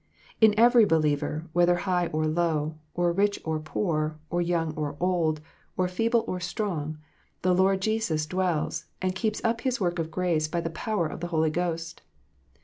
In every believer, whether high or low, or rich or poor, or young or old, or feeble or strong, the Lord Jesus dwells, and keeps up His work of grace by the power of the Holy Ghost.